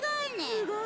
すごいわ。